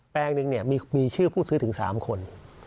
แปลงหนึ่งมีชื่อผู้ซื้อถึง๓คน